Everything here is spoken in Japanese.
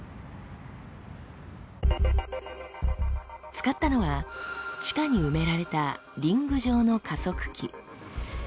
使ったのは地下に埋められたリング状の加速器。